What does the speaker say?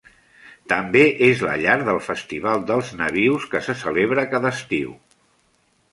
També és la llar del festival dels nabius que se celebra cada estiu.